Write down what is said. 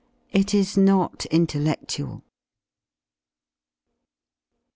It is not intelledual.